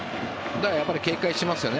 やっぱり警戒してますよね。